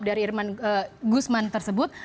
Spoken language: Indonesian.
dari irman guzman tersebut